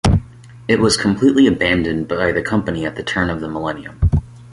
It was completely abandoned by the company at the turn of the millennium.